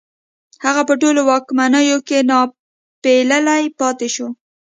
هغه په ټولو واکمنیو کې ناپېیلی پاتې شو